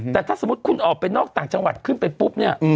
แต่ถ้าสมมุติคุณออกไปนอกต่างจังหวัดขึ้นไปปุ๊บเนี่ย